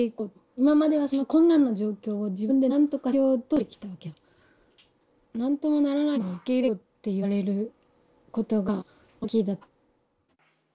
今まではその困難な状況を自分でなんとかしようとしてきたわけだから。何ともならないものを受け入れよって言われることが驚きだった。